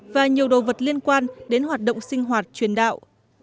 và nhiều đồ vật liên quan đến hoạt động sinh hoạt truyền đạo